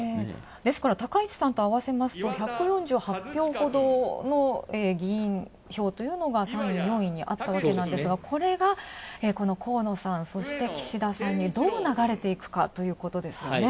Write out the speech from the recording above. ですから、高市さんとあわせますと１４８票ほどの議員票が３位、４位にあったわけなんですが、これが河野さん、そして岸田さんにどう流れていくかということですよね。